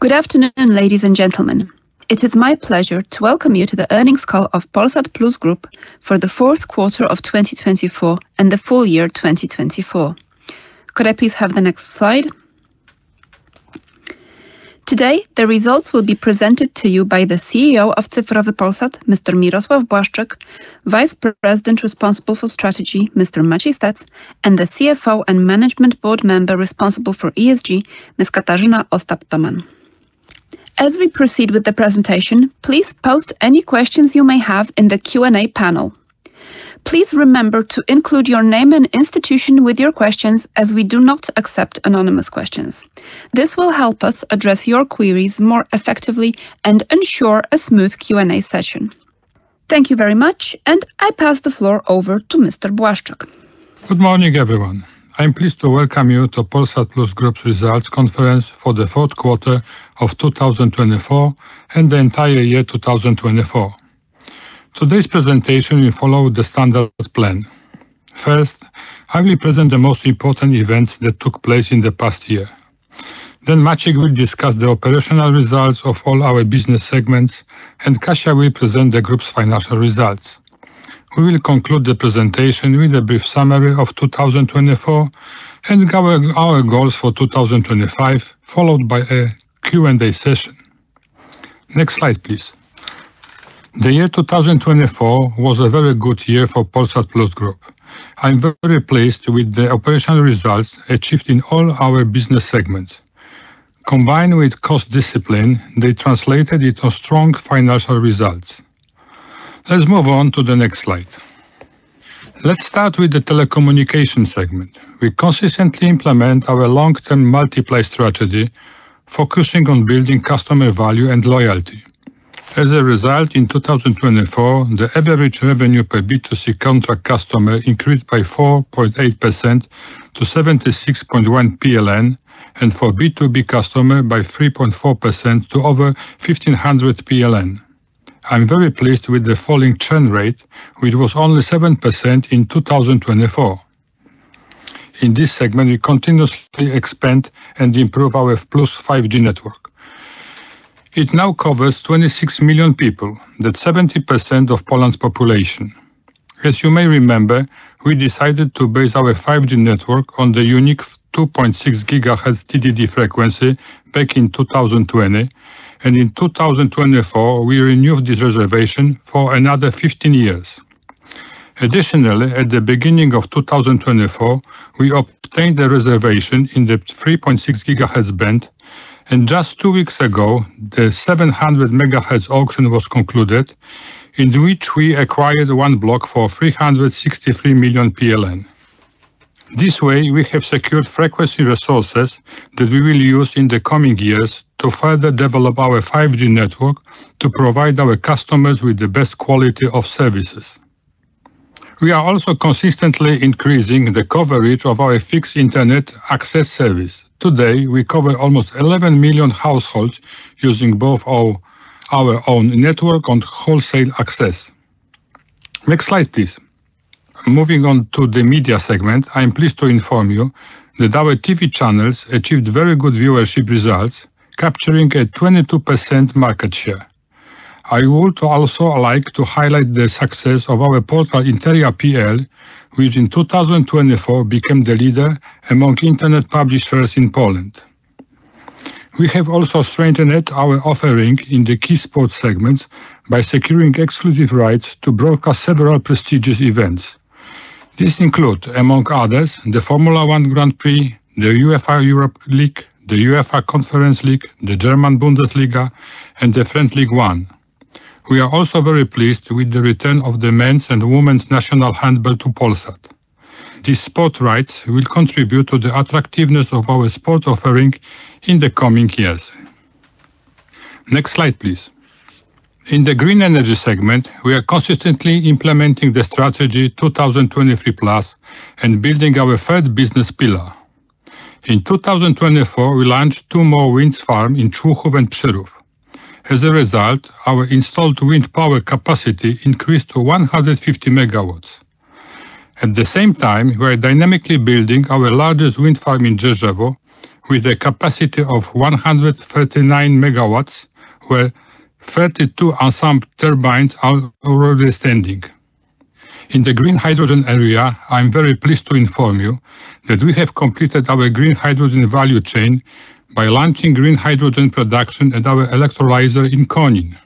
Good afternoon, ladies and gentlemen. It is my pleasure to welcome you to the earnings call of Polsat Plus Group for the fourth quarter of 2024 and the full year 2024. Could I please have the next slide? Today, the results will be presented to you by the CEO of Cyfrowy Polsat, Mr. Mirosław Błaszczyk, Vice President responsible for Strategy, Mr. Maciej Stec, and the CFO and Management Board member responsible for ESG, Ms. Katarzyna Ostap-Tomann. As we proceed with the presentation, please post any questions you may have in the Q&A panel. Please remember to include your name and institution with your questions, as we do not accept anonymous questions. This will help us address your queries more effectively and ensure a smooth Q&A session. Thank you very much, and I pass the floor over to Mr. Błaszczyk. Good morning, everyone. I'm pleased to welcome you to Polsat Plus Group's results conference for the fourth quarter of 2024 and the entire year 2024. Today's presentation will follow the standard plan. First, I will present the most important events that took place in the past year. Then, Maciej will discuss the operational results of all our business segments, and Kasia will present the group's financial results. We will conclude the presentation with a brief summary of 2024 and our goals for 2025, followed by a Q&A session. Next slide, please. The year 2024 was a very good year for Polsat Plus Group. I'm very pleased with the operational results achieved in all our business segments. Combined with cost discipline, they translated into strong financial results. Let's move on to the next slide. Let's start with the telecommunication segment. We consistently implement our long-term multiplay strategy, focusing on building customer value and loyalty. As a result, in 2024, the average revenue per B2C contract customer increased by 4.8% to 76.1 PLN, and for B2B customers, by 3.4% to over 1,500 PLN. I'm very pleased with the falling churn rate, which was only 7% in 2024. In this segment, we continuously expand and improve our Plus 5G network. It now covers 26 million people, that's 70% of Poland's population. As you may remember, we decided to base our 5G network on the unique 2.6 GHz TDD frequency back in 2020, and in 2024, we renewed this reservation for another 15 years. Additionally, at the beginning of 2024, we obtained a reservation in the 3.6 GHz band, and just two weeks ago, the 700 MHz auction was concluded, in which we acquired one block for 363 million PLN. This way, we have secured frequency resources that we will use in the coming years to further develop our 5G network to provide our customers with the best quality of services. We are also consistently increasing the coverage of our fixed internet access service. Today, we cover almost 11 million households using both our own network and wholesale access. Next slide, please. Moving on to the media segment, I'm pleased to inform you that our TV channels achieved very good viewership results, capturing a 22% market share. I would also like to highlight the success of our portal, Interia PL, which in 2024 became the leader among internet publishers in Poland. We have also strengthened our offering in the key sports segments by securing exclusive rights to broadcast several prestigious events. These include, among others, the Formula 1 Grand Prix, the UEFA Europa League, the UEFA Conference League, the German Bundesliga, and the French Ligue 1. We are also very pleased with the return of the Men's and Women's National Handball to Polsat. These sports rights will contribute to the attractiveness of our sports offering in the coming years. Next slide, please. In the green energy segment, we are consistently implementing the Strategy 2023+ and building our third business pillar. In 2024, we launched two more wind farms in Człuchów and Przyrów. As a result, our installed wind power capacity increased to 150 megawatts. At the same time, we are dynamically building our largest wind farm in Drzeżewo with a capacity of 139 megawatts, where 32 ensemble turbines are already standing. In the green hydrogen area, I'm very pleased to inform you that we have completed our green hydrogen value chain by launching green hydrogen production at our electrolyzer in Konin.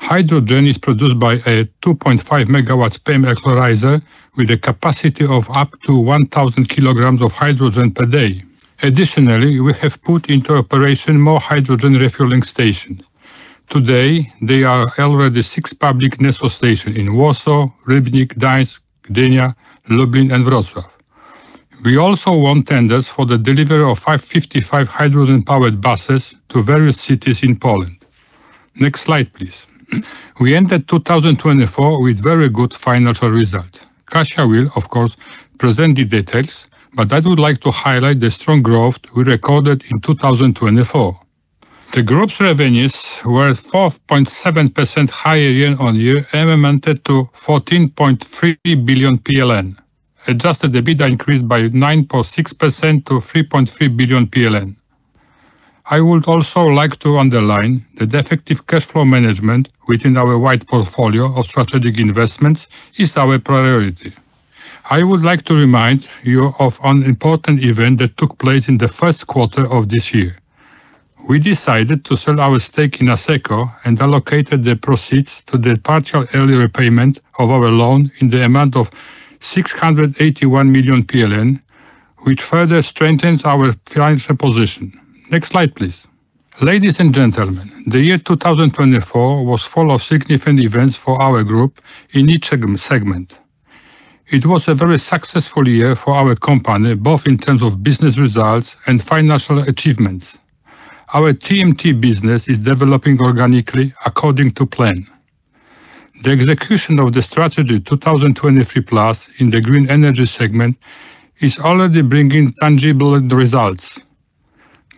Hydrogen is produced by a 2.5 megawatt PEM electrolyzer with a capacity of up to 1,000 kilograms of hydrogen per day. Additionally, we have put into operation more hydrogen refueling stations. Today, there are already six public Neso stations in Warsaw, Rybnik, Gdańsk, Gdynia, Lublin, and Wrocław. We also won tenders for the delivery of 555 hydrogen-powered buses to various cities in Poland. Next slide, please. We ended 2024 with very good financial results. Kasia will, of course, present the details, but I would like to highlight the strong growth we recorded in 2024. The group's revenues were 4.7% higher year-on-year, amounting to 14.3 billion PLN, adjusted EBITDA increased by 9.6% to 3.3 billion PLN. I would also like to underline that effective cash flow management within our wide portfolio of strategic investments is our priority. I would like to remind you of an important event that took place in the first quarter of this year. We decided to sell our stake in Asseco and allocated the proceeds to the partial early repayment of our loan in the amount of 681 million PLN, which further strengthens our financial position. Next slide, please. Ladies and gentlemen, the year 2024 was full of significant events for our group in each segment. It was a very successful year for our company, both in terms of business results and financial achievements. Our TMT business is developing organically according to plan. The execution of the Strategy 2023+ in the green energy segment is already bringing tangible results.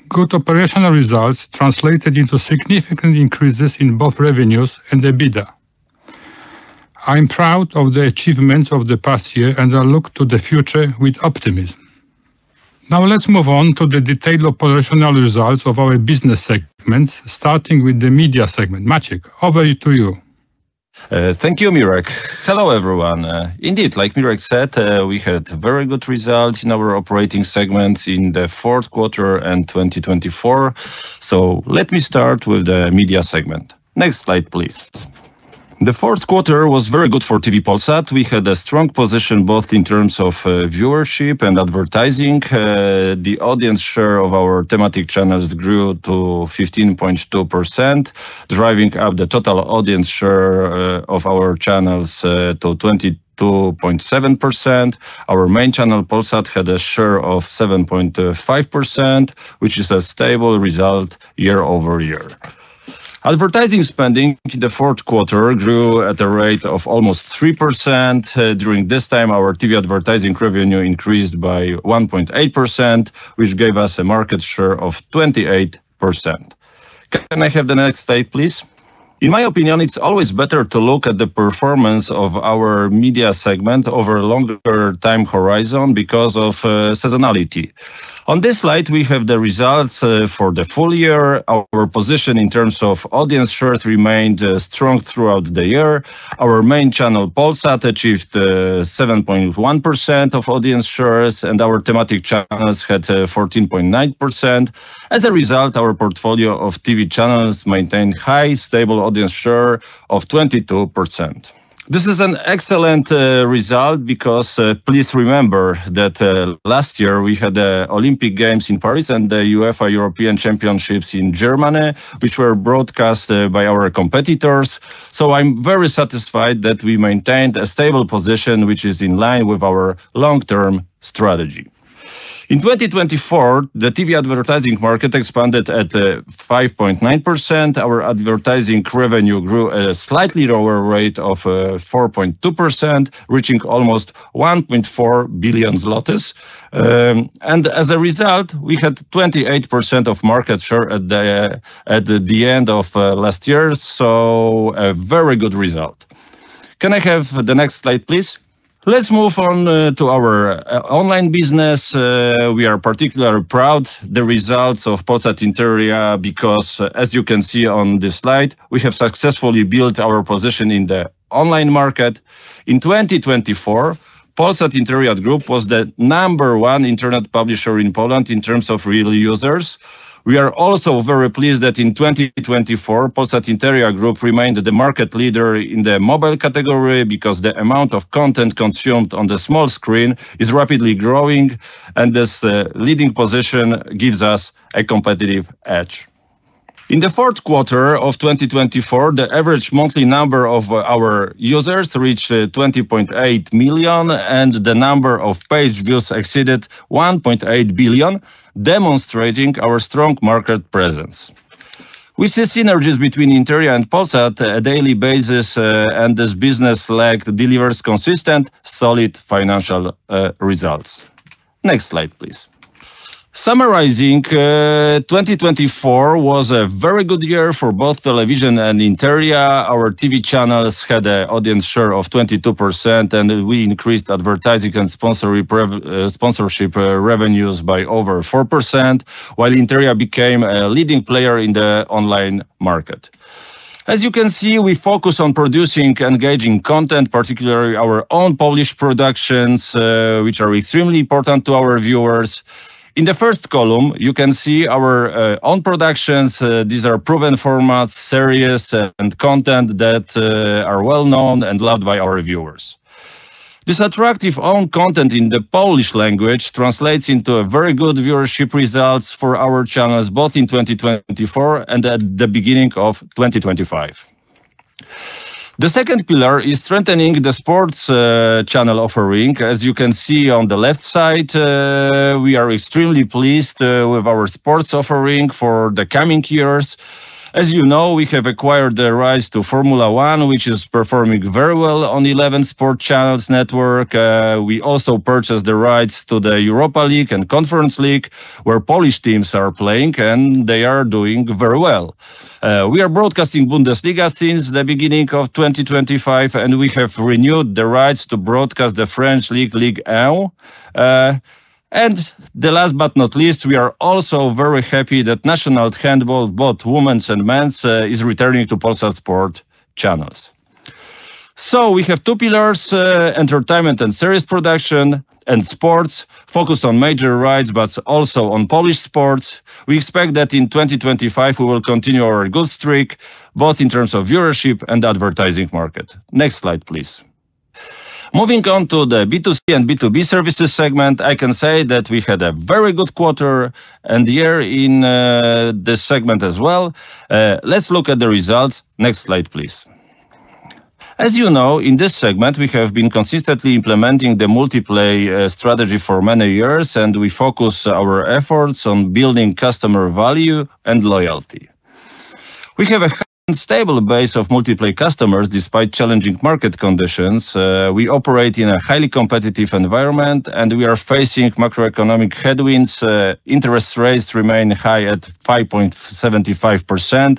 Good operational results translated into significant increases in both revenues and EBITDA. I'm proud of the achievements of the past year and I look to the future with optimism. Now, let's move on to the detailed operational results of our business segments, starting with the media segment. Maciej, over to you. Thank you, Mirek. Hello, everyone. Indeed, like Mirek said, we had very good results in our operating segments in the fourth quarter and 2024. Let me start with the media segment. Next slide, please. The fourth quarter was very good for TV Polsat. We had a strong position both in terms of viewership and advertising. The audience share of our thematic channels grew to 15.2%, driving up the total audience share of our channels to 22.7%. Our main channel, Polsat, had a share of 7.5%, which is a stable result year over year. Advertising spending in the fourth quarter grew at a rate of almost 3%. During this time, our TV advertising revenue increased by 1.8%, which gave us a market share of 28%. Can I have the next slide, please? In my opinion, it's always better to look at the performance of our media segment over a longer time horizon because of seasonality. On this slide, we have the results for the full year. Our position in terms of audience shares remained strong throughout the year. Our main channel, Polsat, achieved 7.1% of audience shares, and our thematic channels had 14.9%. As a result, our portfolio of TV channels maintained a high, stable audience share of 22%. This is an excellent result because please remember that last year we had the Olympic Games in Paris and the UEFA European Championships in Germany, which were broadcast by our competitors. I am very satisfied that we maintained a stable position, which is in line with our long-term strategy. In 2024, the TV advertising market expanded at 5.9%. Our advertising revenue grew at a slightly lower rate of 4.2%, reaching almost 1.4 billion zlotys. As a result, we had 28% of market share at the end of last year, a very good result. Can I have the next slide, please? Let's move on to our online business. We are particularly proud of the results of Polsat Interia because, as you can see on this slide, we have successfully built our position in the online market. In 2024, Polsat Interia Group was the number one internet publisher in Poland in terms of real users. We are also very pleased that in 2024, Polsat Interia Group remained the market leader in the mobile category because the amount of content consumed on the small screen is rapidly growing, and this leading position gives us a competitive edge. In the fourth quarter of 2024, the average monthly number of our users reached 20.8 million, and the number of page views exceeded 1.8 billion, demonstrating our strong market presence. We see synergies between Interia and Polsat on a daily basis, and this business lag delivers consistent, solid financial results. Next slide, please. Summarizing, 2024 was a very good year for both television and Interia. Our TV channels had an audience share of 22%, and we increased advertising and sponsorship revenues by over 4%, while Interia became a leading player in the online market. As you can see, we focus on producing engaging content, particularly our own Polish productions, which are extremely important to our viewers. In the first column, you can see our own productions. These are proven formats, series, and content that are well-known and loved by our viewers. This attractive own content in the Polish language translates into very good viewership results for our channels both in 2024 and at the beginning of 2025. The second pillar is strengthening the sports channel offering. As you can see on the left side, we are extremely pleased with our sports offering for the coming years. As you know, we have acquired the rights to Formula 1, which is performing very well on 11 sports channels network. We also purchased the rights to the Europa League and Conference League, where Polish teams are playing, and they are doing very well. We are broadcasting Bundesliga since the beginning of 2025, and we have renewed the rights to broadcast the French league, Ligue 1. Last but not least, we are also very happy that National Handball, both women's and men's sports, is returning to Polsat sports channels. We have two pillars: entertainment and series production, and sports focused on major rights, but also on Polish sports. We expect that in 2025, we will continue our good streak, both in terms of viewership and advertising market. Next slide, please. Moving on to the B2C and B2B services segment, I can say that we had a very good quarter and year in this segment as well. Let's look at the results. Next slide, please. As you know, in this segment, we have been consistently implementing the multiplay strategy for many years, and we focus our efforts on building customer value and loyalty. We have a stable base of multiplay customers despite challenging market conditions. We operate in a highly competitive environment, and we are facing macroeconomic headwinds. Interest rates remain high at 5.75%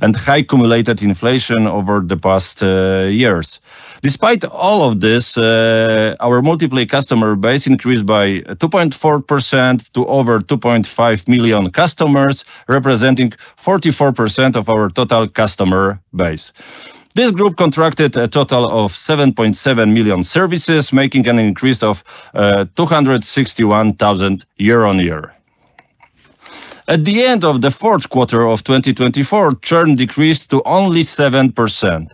and high cumulated inflation over the past years. Despite all of this, our multiplay customer base increased by 2.4% to over 2.5 million customers, representing 44% of our total customer base. This group contracted a total of 7.7 million services, making an increase of 261,000 year-on-year. At the end of the fourth quarter of 2024, churn decreased to only 7%.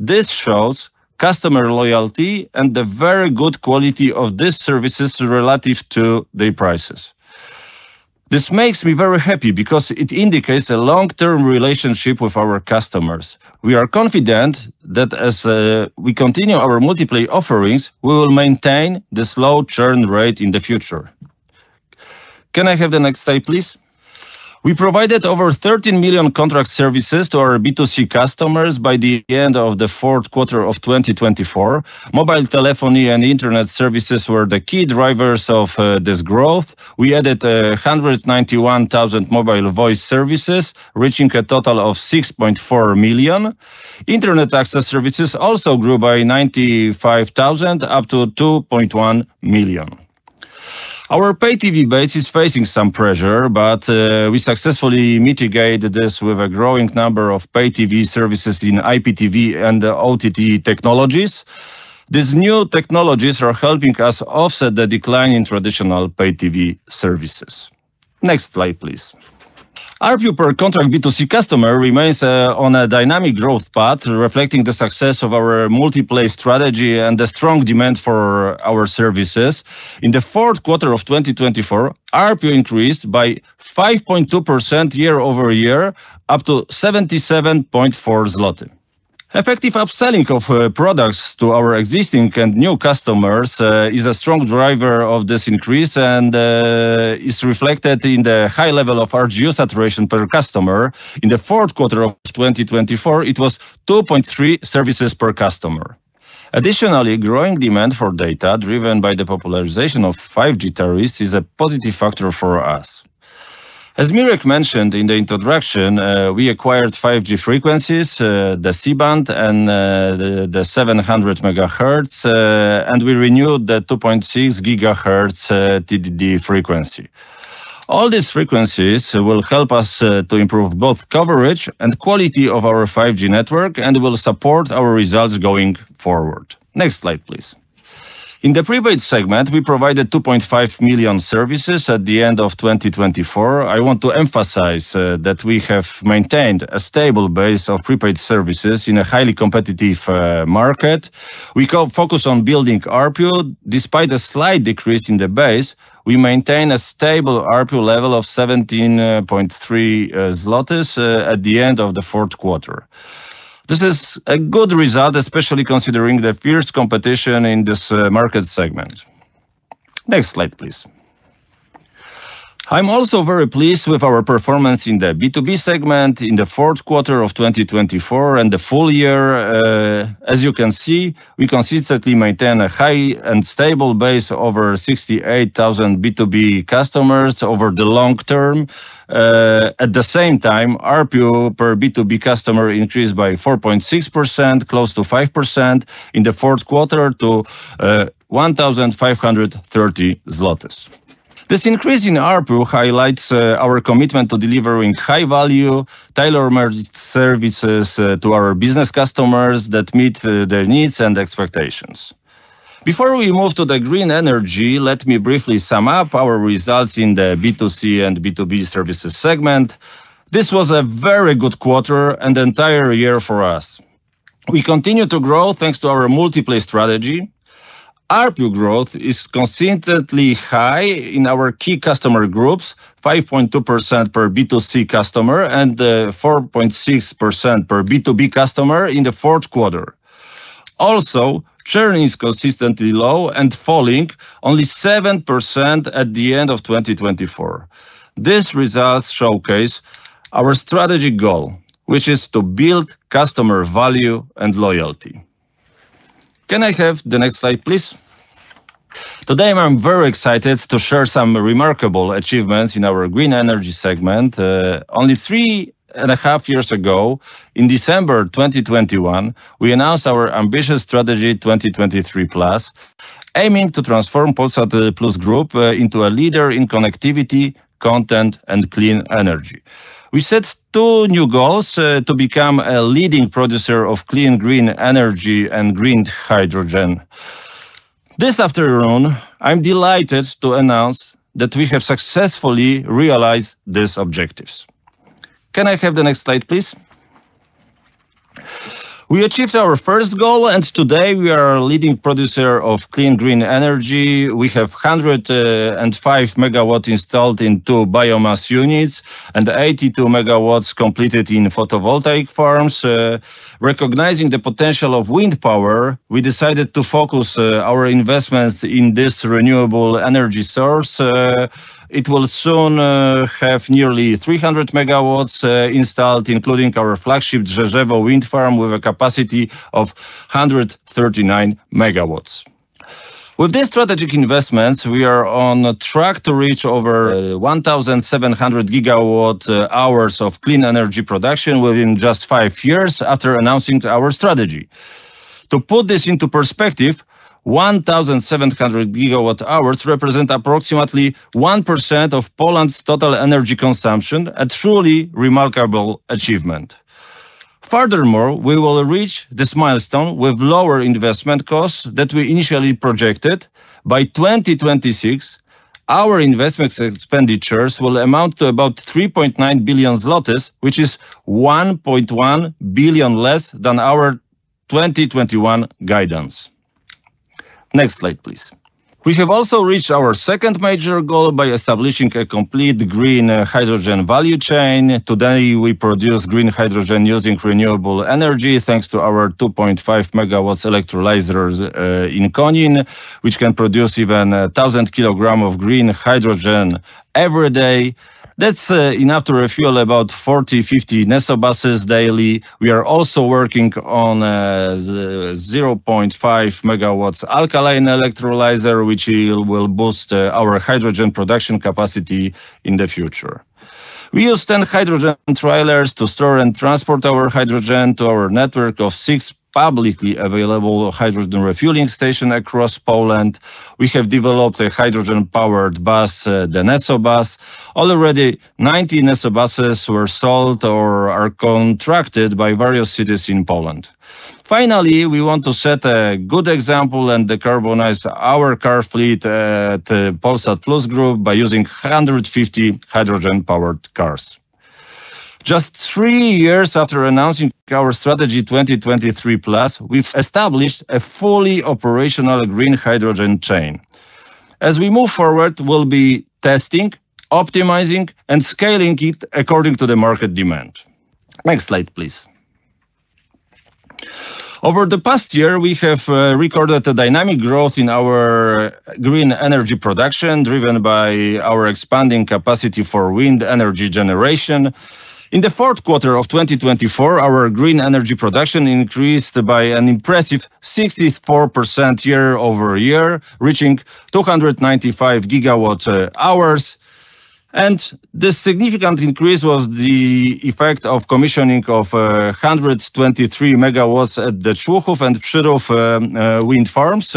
This shows customer loyalty and the very good quality of these services relative to their prices. This makes me very happy because it indicates a long-term relationship with our customers. We are confident that as we continue our multiplay offerings, we will maintain the slow churn rate in the future. Can I have the next slide, please? We provided over 13 million contract services to our B2C customers by the end of the fourth quarter of 2024. Mobile telephony and internet services were the key drivers of this growth. We added 191,000 mobile voice services, reaching a total of 6.4 million. Internet access services also grew by 95,000, up to 2.1 million. Our pay TV base is facing some pressure, but we successfully mitigated this with a growing number of pay TV services in IPTV and OTT technologies. These new technologies are helping us offset the decline in traditional pay TV services. Next slide, please. RPU per contract B2C customer remains on a dynamic growth path, reflecting the success of our multiplay strategy and the strong demand for our services. In the fourth quarter of 2024, RPU increased by 5.2% year-over-year, up to 77.4 zloty. Effective upselling of products to our existing and new customers is a strong driver of this increase and is reflected in the high level of RGU saturation per customer. In the fourth quarter of 2024, it was 2.3 services per customer. Additionally, growing demand for data, driven by the popularization of 5G tariffs, is a positive factor for us. As Mirek mentioned in the introduction, we acquired 5G frequencies, the C-band and the 700 MHz, and we renewed the 2.6 GHz TDD frequency. All these frequencies will help us to improve both coverage and quality of our 5G network and will support our results going forward. Next slide, please. In the prepaid segment, we provided 2.5 million services at the end of 2024. I want to emphasize that we have maintained a stable base of prepaid services in a highly competitive market. We focus on building RPU. Despite a slight decrease in the base, we maintain a stable RPU level of 17.3 zlotys at the end of the fourth quarter. This is a good result, especially considering the fierce competition in this market segment. Next slide, please. I'm also very pleased with our performance in the B2B segment in the fourth quarter of 2024 and the full year. As you can see, we consistently maintain a high and stable base of over 68,000 B2B customers over the long term. At the same time, RPU per B2B customer increased by 4.6%, close to 5% in the fourth quarter to 1,530 zlotys. This increase in RPU highlights our commitment to delivering high-value, tailor-made services to our business customers that meet their needs and expectations. Before we move to the green energy, let me briefly sum up our results in the B2C and B2B services segment. This was a very good quarter and entire year for us. We continue to grow thanks to our multiplay strategy. RPU growth is consistently high in our key customer groups, 5.2% per B2C customer and 4.6% per B2B customer in the fourth quarter. Also, churn is consistently low and falling, only 7% at the end of 2024. These results showcase our strategic goal, which is to build customer value and loyalty. Can I have the next slide, please? Today, I'm very excited to share some remarkable achievements in our green energy segment. Only three and a half years ago, in December 2021, we announced our ambitious strategy, 2023 Plus, aiming to transform Polsat Plus Group into a leader in connectivity, content, and clean energy. We set two new goals to become a leading producer of clean green energy and green hydrogen. This afternoon, I'm delighted to announce that we have successfully realized these objectives. Can I have the next slide, please? We achieved our first goal, and today we are a leading producer of clean green energy. We have 105 megawatts installed in two biomass units and 82 megawatts completed in photovoltaic farms. Recognizing the potential of wind power, we decided to focus our investments in this renewable energy source. We will soon have nearly 300 MW installed, including our flagship Drzeżewo wind farm with a capacity of 139 MW. With these strategic investments, we are on track to reach over 1,700 GWh of clean energy production within just five years after announcing our strategy. To put this into perspective, 1,700 GWh represent approximately 1% of Poland's total energy consumption, a truly remarkable achievement. Furthermore, we will reach this milestone with lower investment costs than we initially projected. By 2026, our investment expenditures will amount to about 3.9 billion zlotys, which is 1.1 billion less than our 2021 guidance. Next slide, please. We have also reached our second major goal by establishing a complete green hydrogen value chain. Today, we produce green hydrogen using renewable energy thanks to our 2.5 MW electrolyzers in Konin, which can produce even 1,000 kg of green hydrogen every day. That's enough to refuel about 40-50 Neso buses daily. We are also working on a 0.5 MW alkaline electrolyzer, which will boost our hydrogen production capacity in the future. We use 10 hydrogen trailers to store and transport our hydrogen to our network of six publicly available hydrogen refueling stations across Poland. We have developed a hydrogen-powered bus, the Neso Bus. Already, 90 Neso buses were sold or are contracted by various cities in Poland. Finally, we want to set a good example and decarbonize our car fleet at Polsat Plus Group by using 150 hydrogen-powered cars. Just three years after announcing our strategy, 2023 Plus, we've established a fully operational green hydrogen chain. As we move forward, we'll be testing, optimizing, and scaling it according to the market demand. Next slide, please. Over the past year, we have recorded a dynamic growth in our green energy production, driven by our expanding capacity for wind energy generation. In the fourth quarter of 2024, our green energy production increased by an impressive 64% year-over-year, reaching 295 gigawatt-hours. This significant increase was the effect of commissioning of 123 megawatts at the Człuchów and Przyrów wind farms.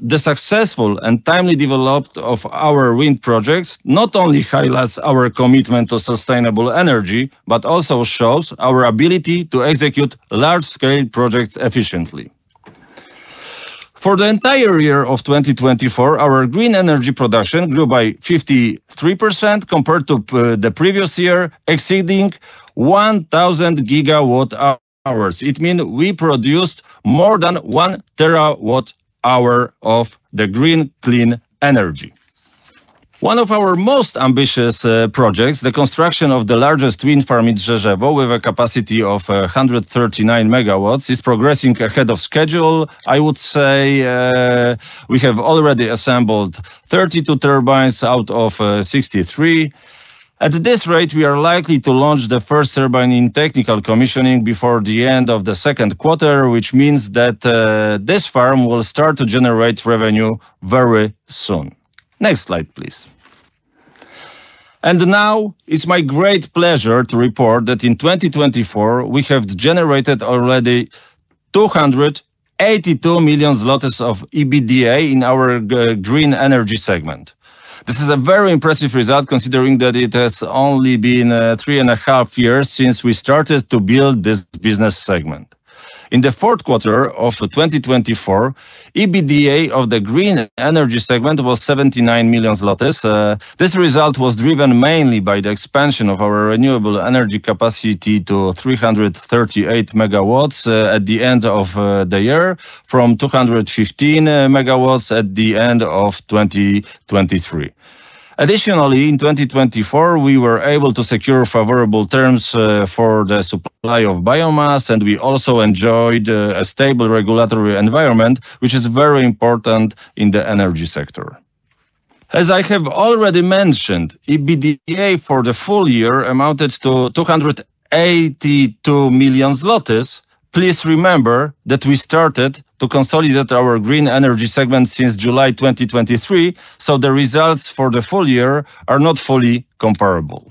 The successful and timely development of our wind projects not only highlights our commitment to sustainable energy, but also shows our ability to execute large-scale projects efficiently. For the entire year of 2024, our green energy production grew by 53% compared to the previous year, exceeding 1,000 gigawatt-hours. It means we produced more than one terawatt-hour of green clean energy. One of our most ambitious projects, the construction of the largest wind farm in Drzeżewo with a capacity of 139 MW, is progressing ahead of schedule. I would say we have already assembled 32 turbines out of 63. At this rate, we are likely to launch the first turbine in technical commissioning before the end of the second quarter, which means that this farm will start to generate revenue very soon. Next slide, please. It is my great pleasure to report that in 2024, we have generated already 282 million zlotys of EBITDA in our green energy segment. This is a very impressive result, considering that it has only been three and a half years since we started to build this business segment. In the fourth quarter of 2024, EBITDA of the green energy segment was 79 million zlotys. This result was driven mainly by the expansion of our renewable energy capacity to 338 megawatts at the end of the year, from 215 megawatts at the end of 2023. Additionally, in 2024, we were able to secure favorable terms for the supply of biomass, and we also enjoyed a stable regulatory environment, which is very important in the energy sector. As I have already mentioned, EBITDA for the full year amounted to 282 million zlotys. Please remember that we started to consolidate our green energy segment since July 2023, so the results for the full year are not fully comparable.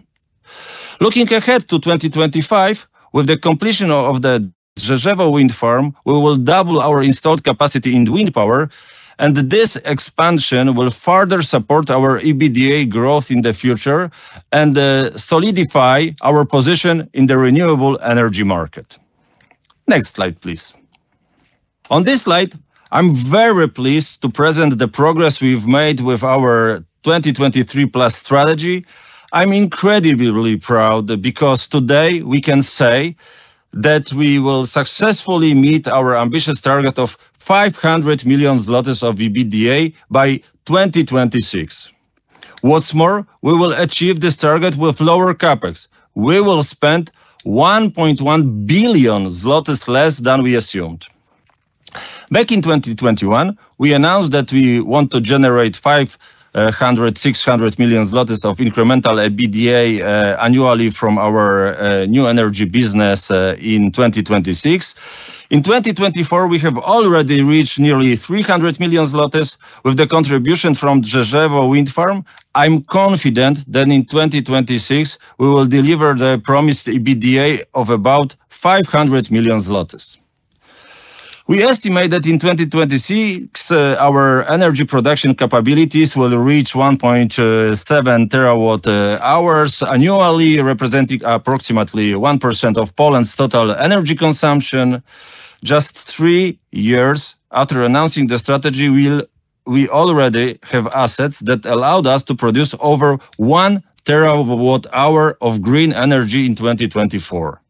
Looking ahead to 2025, with the completion of the Drzeżewo wind farm, we will double our installed capacity in wind power, and this expansion will further support our EBITDA growth in the future and solidify our position in the renewable energy market. Next slide, please. On this slide, I'm very pleased to present the progress we've made with our 2023 Plus strategy. I'm incredibly proud because today we can say that we will successfully meet our ambitious target of 500 million zlotys of EBITDA by 2026. What's more, we will achieve this target with lower CapEx. We will spend 1.1 billion zlotys less than we assumed. Back in 2021, we announced that we want to generate 500-600 million zlotys of incremental EBITDA annually from our new energy business in 2026. In 2024, we have already reached nearly PLN 300 million with the contribution from Drzeżewo wind farm. I'm confident that in 2026, we will deliver the promised EBITDA of about 500 million zlotys. We estimate that in 2026, our energy production capabilities will reach 1.7 terawatt-hours annually, representing approximately 1% of Poland's total energy consumption. Just three years after announcing the strategy, we already have assets that allowed us to produce over one terawatt-hour of green energy in 2024.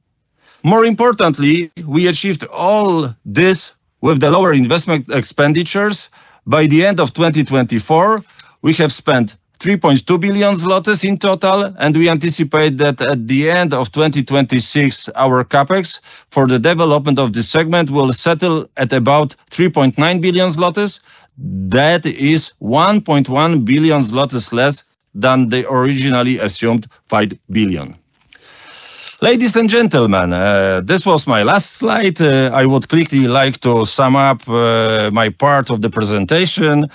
More importantly, we achieved all this with the lower investment expenditures. By the end of 2024, we have spent 3.2 billion zlotys in total, and we anticipate that at the end of 2026, our capex for the development of this segment will settle at about 3.9 billion zlotys. That is 1.1 billion zlotys less than the originally assumed 5 billion. Ladies and gentlemen, this was my last slide. I would quickly like to sum up my part of the presentation.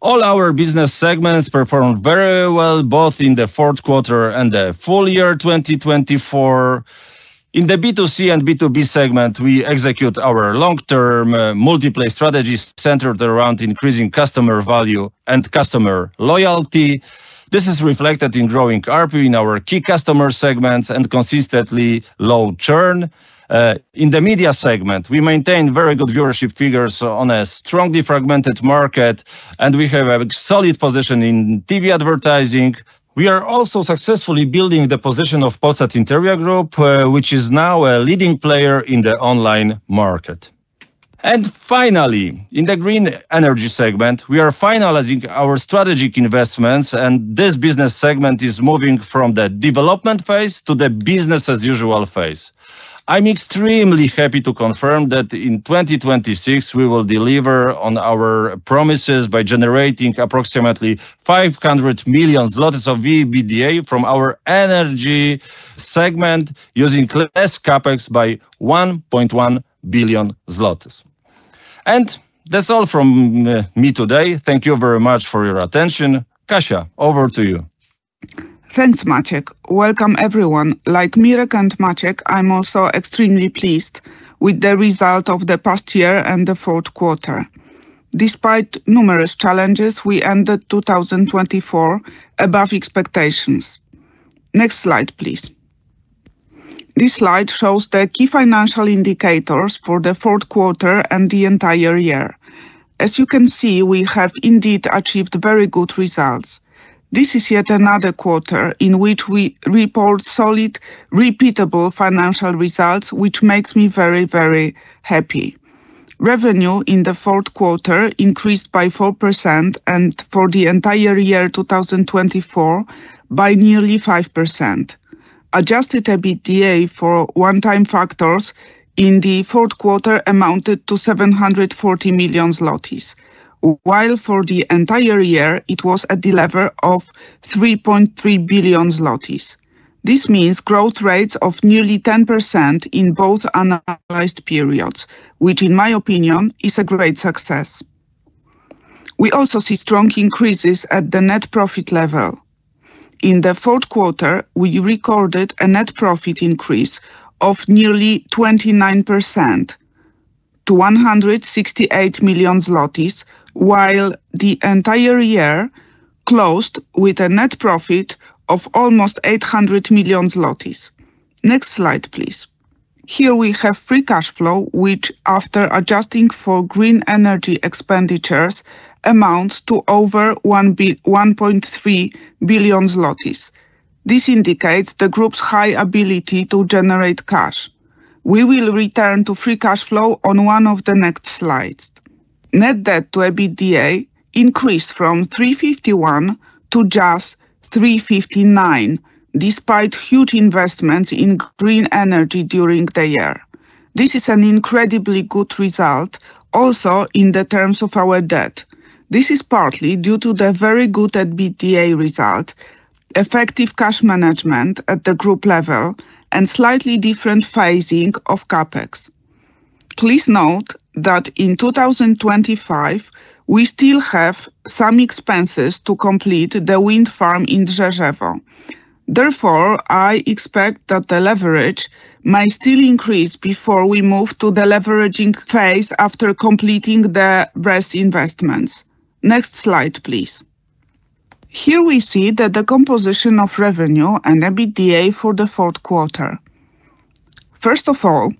All our business segments performed very well both in the fourth quarter and the full year 2024. In the B2C and B2B segment, we execute our long-term multiplay strategy centered around increasing customer value and customer loyalty. This is reflected in growing RPU in our key customer segments and consistently low churn. In the media segment, we maintain very good viewership figures on a strongly fragmented market, and we have a solid position in TV advertising. We are also successfully building the position of Polsat Interia Group, which is now a leading player in the online market. Finally, in the green energy segment, we are finalizing our strategic investments, and this business segment is moving from the development phase to the business-as-usual phase. I'm extremely happy to confirm that in 2026, we will deliver on our promises by generating approximately 500 million zlotys of EBITDA from our energy segment, using less capex by 1.1 billion zlotys. That's all from me today. Thank you very much for your attention. Kasia, over to you. Thanks, Maciek. Welcome, everyone. Like Mirek and Maciek, I'm also extremely pleased with the result of the past year and the fourth quarter. Despite numerous challenges, we ended 2024 above expectations. Next slide, please. This slide shows the key financial indicators for the fourth quarter and the entire year. As you can see, we have indeed achieved very good results. This is yet another quarter in which we report solid, repeatable financial results, which makes me very, very happy. Revenue in the fourth quarter increased by 4% and for the entire year 2024 by nearly 5%. Adjusted EBITDA for one-time factors in the fourth quarter amounted to 740 million zlotys, while for the entire year it was a delivery of 3.3 billion zlotys. This means growth rates of nearly 10% in both analyzed periods, which, in my opinion, is a great success. We also see strong increases at the net profit level. In the fourth quarter, we recorded a net profit increase of nearly 29% to 168 million zlotys, while the entire year closed with a net profit of almost 800 million zlotys. Next slide, please. Here we have free cash flow, which, after adjusting for green energy expenditures, amounts to over 1.3 billion zlotys. This indicates the group's high ability to generate cash. We will return to free cash flow on one of the next slides. Net debt to EBITDA increased from 351 million to just 359 million, despite huge investments in green energy during the year. This is an incredibly good result, also in the terms of our debt. This is partly due to the very good EBITDA result, effective cash management at the group level, and slightly different phasing of capex. Please note that in 2025, we still have some expenses to complete the wind farm in Drzeżewo. Therefore, I expect that the leverage might still increase before we move to the deleveraging phase after completing the rest investments. Next slide, please. Here we see the composition of revenue and EBITDA for the fourth quarter. First of all,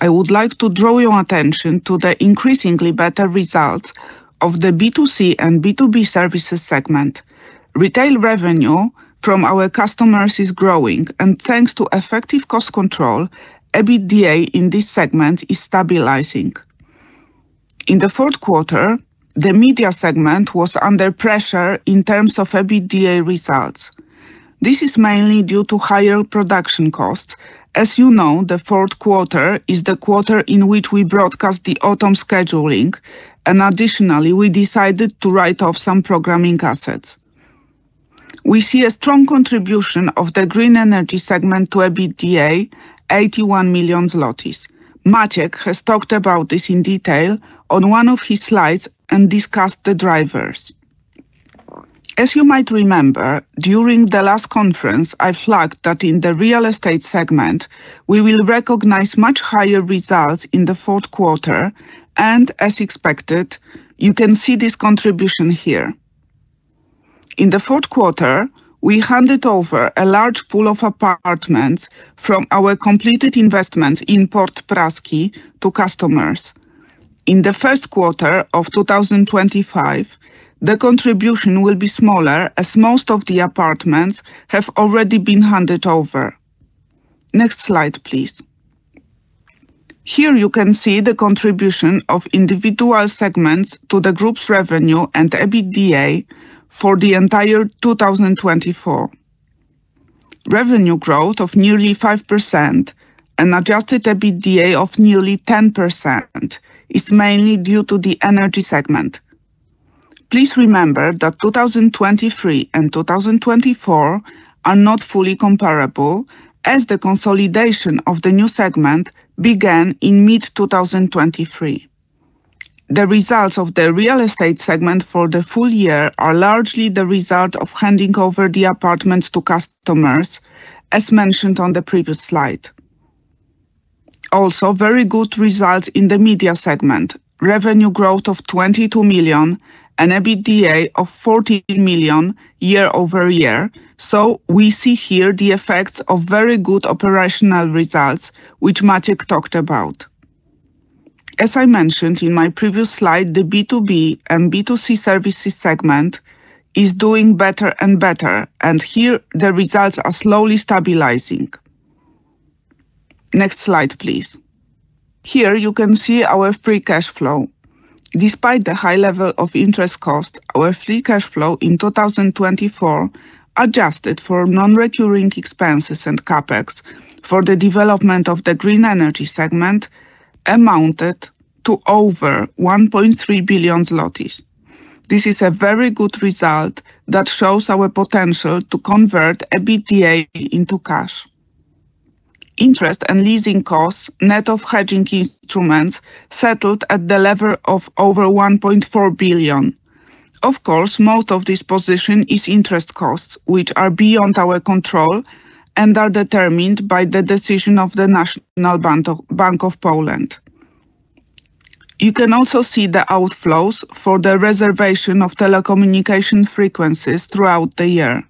I would like to draw your attention to the increasingly better results of the B2C and B2B services segment. Retail revenue from our customers is growing, and thanks to effective cost control, EBITDA in this segment is stabilizing. In the fourth quarter, the media segment was under pressure in terms of EBITDA results. This is mainly due to higher production costs. As you know, the fourth quarter is the quarter in which we broadcast the autumn scheduling, and additionally, we decided to write off some programming assets. We see a strong contribution of the green energy segment to EBITDA, 81 million zlotys. Maciej has talked about this in detail on one of his slides and discussed the drivers. As you might remember, during the last conference, I flagged that in the real estate segment, we will recognize much higher results in the fourth quarter, and as expected, you can see this contribution here. In the fourth quarter, we handed over a large pool of apartments from our completed investments in Port Praski to customers. In the first quarter of 2025, the contribution will be smaller, as most of the apartments have already been handed over. Next slide, please. Here you can see the contribution of individual segments to the group's revenue and EBITDA for the entire 2024. Revenue growth of nearly 5% and adjusted EBITDA of nearly 10% is mainly due to the energy segment. Please remember that 2023 and 2024 are not fully comparable, as the consolidation of the new segment began in mid-2023. The results of the real estate segment for the full year are largely the result of handing over the apartments to customers, as mentioned on the previous slide. Also, very good results in the media segment, revenue growth of 22 million and EBITDA of 14 million year over year. We see here the effects of very good operational results, which Maciek talked about. As I mentioned in my previous slide, the B2B and B2C services segment is doing better and better, and here the results are slowly stabilizing. Next slide, please. Here you can see our free cash flow. Despite the high level of interest costs, our free cash flow in 2024, adjusted for non-recurring expenses and CapEx for the development of the green energy segment, amounted to over 1.3 billion zlotys. This is a very good result that shows our potential to convert EBITDA into cash. Interest and leasing costs, net of hedging instruments, settled at the level of over 1.4 billion. Of course, most of this position is interest costs, which are beyond our control and are determined by the decision of the National Bank of Poland. You can also see the outflows for the reservation of telecommunication frequencies throughout the year.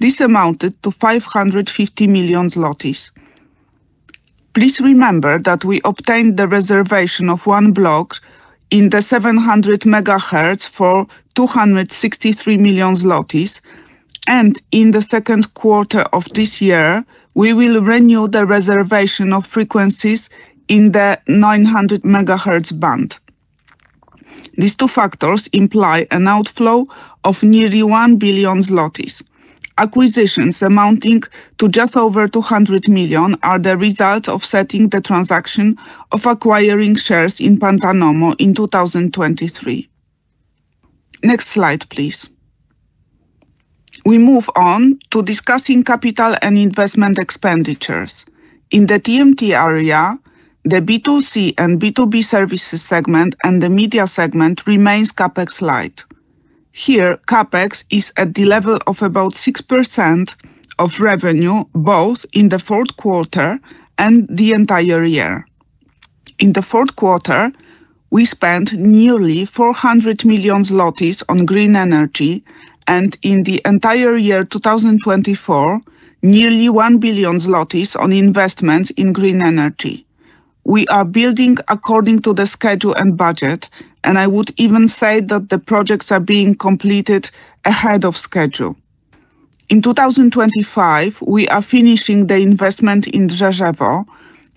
This amounted to 550 million zlotys. Please remember that we obtained the reservation of one block in the 700 MHz for 263 million zlotys, and in the second quarter of this year, we will renew the reservation of frequencies in the 900 MHz band. These two factors imply an outflow of nearly 1 billion zlotys. Acquisitions amounting to just over 200 million are the result of setting the transaction of acquiring shares in Pantanomo in 2023. Next slide, please. We move on to discussing capital and investment expenditures. In the TMT area, the B2C and B2B services segment and the media segment remains CapEx light. Here, CapEx is at the level of about 6% of revenue both in the fourth quarter and the entire year. In the fourth quarter, we spent nearly 400 million zlotys on green energy, and in the entire year 2024, nearly 1 billion zlotys on investments in green energy. We are building according to the schedule and budget, and I would even say that the projects are being completed ahead of schedule. In 2025, we are finishing the investment in Drzeżewo,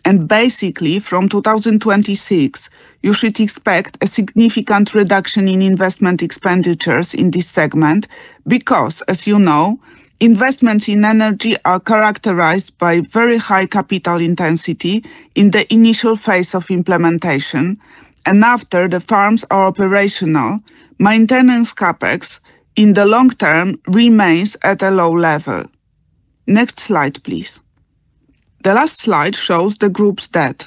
and basically, from 2026, you should expect a significant reduction in investment expenditures in this segment because, as you know, investments in energy are characterized by very high capital intensity in the initial phase of implementation, and after the farms are operational, maintenance CapEx in the long term remains at a low level. Next slide, please. The last slide shows the group's debt.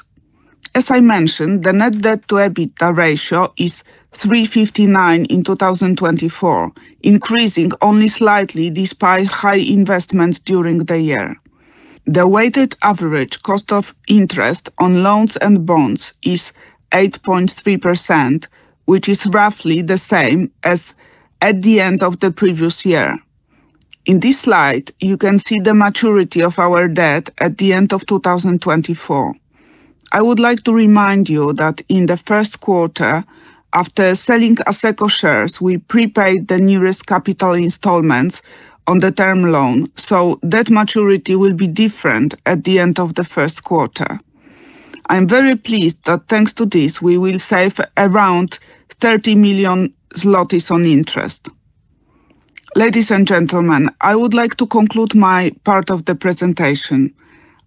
As I mentioned, the net debt to EBITDA ratio is 3.59 in 2024, increasing only slightly despite high investments during the year. The weighted average cost of interest on loans and bonds is 8.3%, which is roughly the same as at the end of the previous year. In this slide, you can see the maturity of our debt at the end of 2024. I would like to remind you that in the first quarter, after selling Asseco shares, we prepaid the nearest capital installments on the term loan, so debt maturity will be different at the end of the first quarter. I'm very pleased that thanks to this, we will save around 30 million zlotys on interest. Ladies and gentlemen, I would like to conclude my part of the presentation.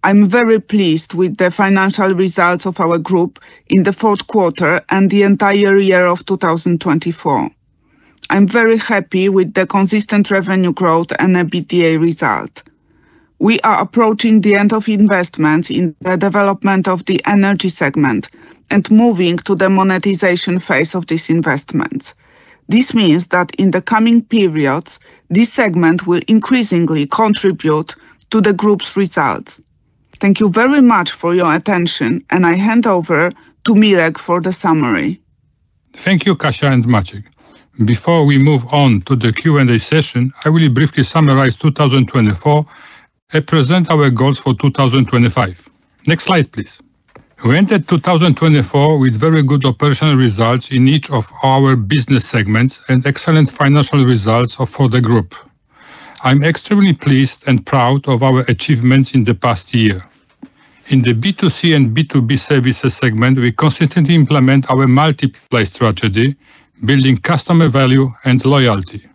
I'm very pleased with the financial results of our group in the fourth quarter and the entire year of 2024. I'm very happy with the consistent revenue growth and EBITDA result. We are approaching the end of investments in the development of the energy segment and moving to the monetization phase of these investments. This means that in the coming periods, this segment will increasingly contribute to the group's results. Thank you very much for your attention, and I hand over to Mirek for the summary. Thank you, Kasia and Maciek. Before we move on to the Q&A session, I will briefly summarize 2024 and present our goals for 2025. Next slide, please. We entered 2024 with very good operational results in each of our business segments and excellent financial results for the group. I'm extremely pleased and proud of our achievements in the past year. In the B2C and B2B services segment, we consistently implement our multiplay strategy, building customer value and loyalty.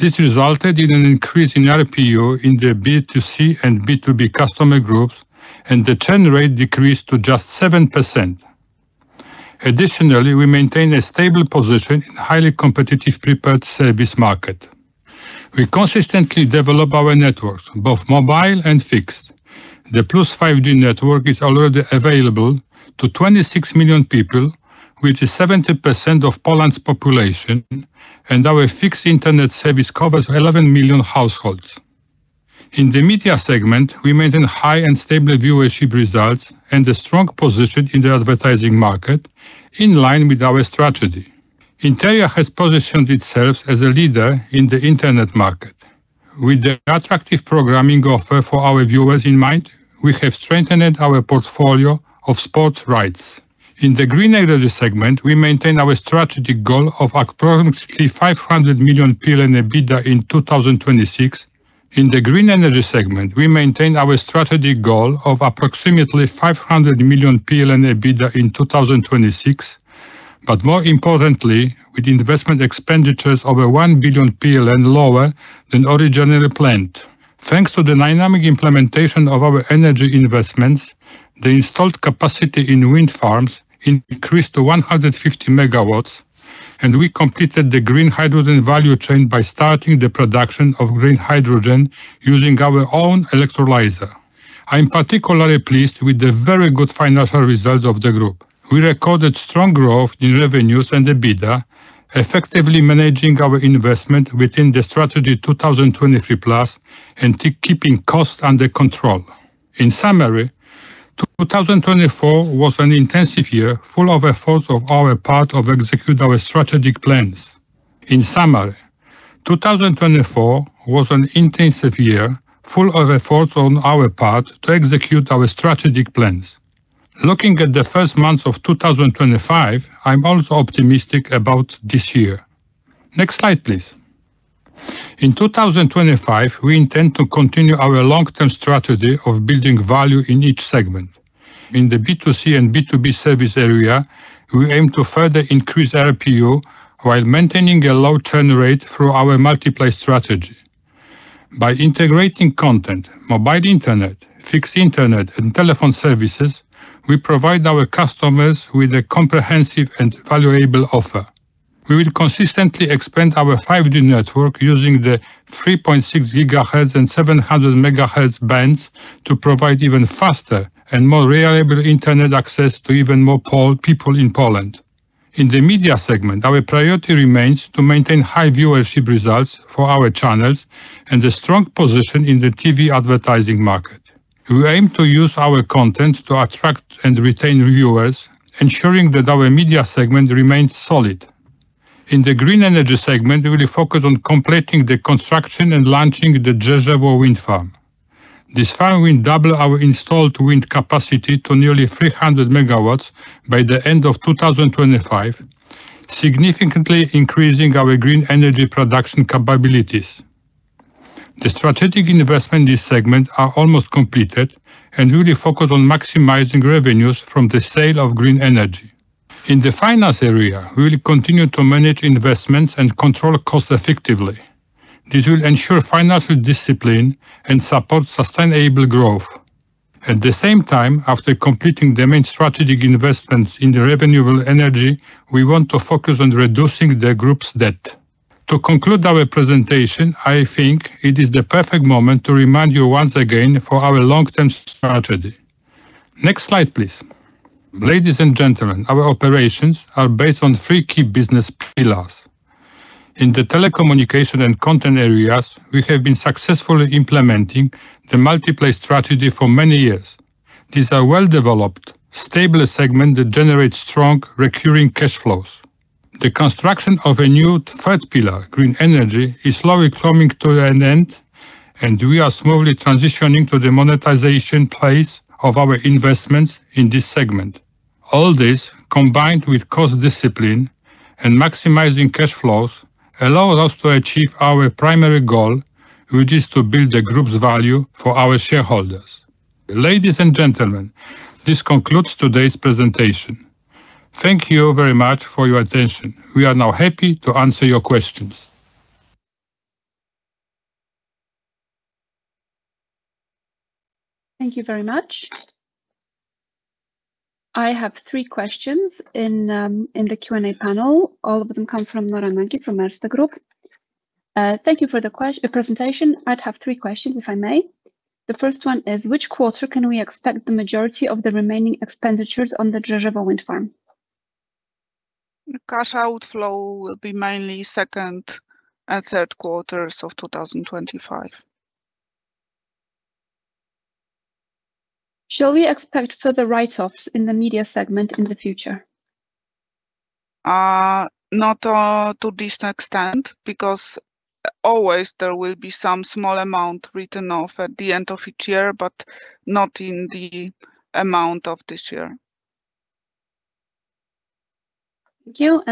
This resulted in an increase in RPU in the B2C and B2B customer groups, and the churn rate decreased to just 7%. Additionally, we maintain a stable position in a highly competitive prepaid service market. We consistently develop our networks, both mobile and fixed. The Plus 5G network is already available to 26 million people, which is 70% of Poland's population, and our fixed internet service covers 11 million households. In the media segment, we maintain high and stable viewership results and a strong position in the advertising market, in line with our strategy. Interia has positioned itself as a leader in the internet market. With the attractive programming offer for our viewers in mind, we have strengthened our portfolio of sports rights. In the green energy segment, we maintain our strategic goal of approximately 500 million PLN EBITDA in 2026. In the green energy segment, we maintain our strategic goal of approximately 500 million PLN EBITDA in 2026, but more importantly, with investment expenditures over 1 billion PLN lower than originally planned. Thanks to the dynamic implementation of our energy investments, the installed capacity in wind farms increased to 150 MW, and we completed the green hydrogen value chain by starting the production of green hydrogen using our own electrolyzer. I'm particularly pleased with the very good financial results of the group. We recorded strong growth in revenues and EBITDA, effectively managing our investment within the Strategy 2023+ and keeping costs under control. In summary, 2024 was an intensive year full of efforts on our part to execute our strategic plans. Looking at the first months of 2025, I'm also optimistic about this year. Next slide, please. In 2025, we intend to continue our long-term strategy of building value in each segment. In the B2C and B2B service area, we aim to further increase RPU while maintaining a low churn rate through our multiplay strategy. By integrating content, mobile internet, fixed internet, and telephone services, we provide our customers with a comprehensive and valuable offer. We will consistently expand our 5G network using the 3.6 GHz and 700 MHz bands to provide even faster and more reliable internet access to even more people in Poland. In the media segment, our priority remains to maintain high viewership results for our channels and a strong position in the TV advertising market. We aim to use our content to attract and retain viewers, ensuring that our media segment remains solid. In the green energy segment, we will focus on completing the construction and launching the Drzeżewo wind farm. This farm will double our installed wind capacity to nearly 300 megawatts by the end of 2025, significantly increasing our green energy production capabilities. The strategic investments in this segment are almost completed and we will focus on maximizing revenues from the sale of green energy. In the finance area, we will continue to manage investments and control costs effectively. This will ensure financial discipline and support sustainable growth. At the same time, after completing the main strategic investments in the renewable energy, we want to focus on reducing the group's debt. To conclude our presentation, I think it is the perfect moment to remind you once again of our long-term strategy. Next slide, please. Ladies and gentlemen, our operations are based on three key business pillars. In the telecommunication and content areas, we have been successfully implementing the multiplay strategy for many years. These are well-developed, stable segments that generate strong recurring cash flows. The construction of a new third pillar, green energy, is slowly coming to an end, and we are smoothly transitioning to the monetization phase of our investments in this segment. All this, combined with cost discipline and maximizing cash flows, allows us to achieve our primary goal, which is to build the group's value for our shareholders. Ladies and gentlemen, this concludes today's presentation. Thank you very much for your attention. We are now happy to answer your questions. Thank you very much. I have three questions in the Q&A panel. All of them come from Nora Nagy from Erste Group. Thank you for the presentation. I'd have three questions, if I may. The first one is, which quarter can we expect the majority of the remaining expenditures on the Drzeżewo wind farm? Cash outflow will be mainly second and third quarters of 2025. Shall we expect further write-offs in the media segment in the future? Not to this extent, because always there will be some small amount written off at the end of each year, but not in the amount of this year. Thank you.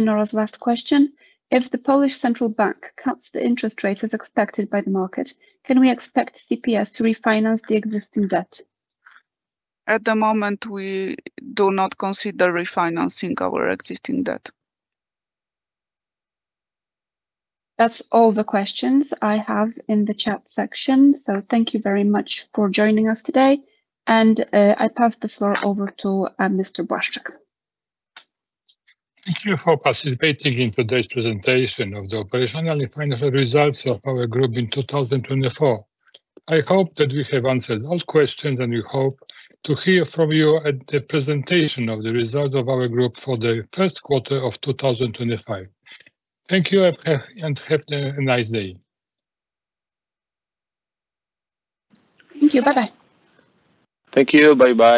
Norah's last question. If the Polish Central Bank cuts the interest rate as expected by the market, can we expect CPS to refinance the existing debt? At the moment, we do not consider refinancing our existing debt. That is all the questions I have in the chat section. Thank you very much for joining us today. I pass the floor over to Mr. Błaszczyk. Thank you for participating in today's presentation of the operational and financial results of our group in 2024. I hope that we have answered all questions, and we hope to hear from you at the presentation of the results of our group for the first quarter of 2025. Thank you and have a nice day. Thank you. Bye-bye. Thank you. Bye-bye.